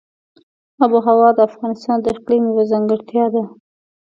آب وهوا د افغانستان د اقلیم یوه ځانګړتیا ده.